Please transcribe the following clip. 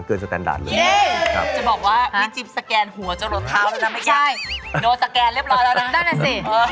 เป๊ะตายอยู่